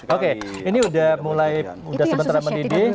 oke ini udah mulai udah sementara mendidih